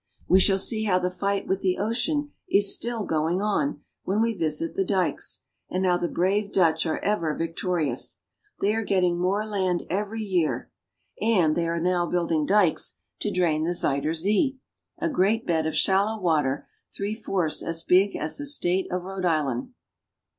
We shall see how the fight with the ocean is still going on when we visit the dikes, and how the brave Dutch are ever victori ous. They are getting more land every year, and they are 136 THE NETHERLANDS. now building dikes to drain the Zuider Zee, a great bed of shallow water three fourths as big as the state of Rhode Island.